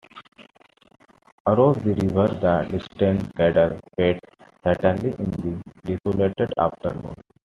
Across the river the distant cattle fed silently in the desolate afternoon.